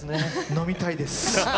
飲みたいです。